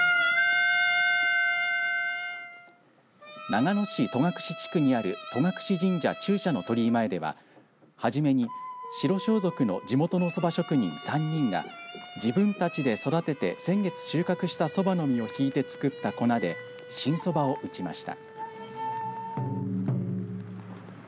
長野市戸隠地区にある戸隠神社中社の鳥居前でははじめに白装束の地元のそば職人３人が自分たちで育てて、先月収穫したそばの実を引いて作った粉で新そばを打ちました。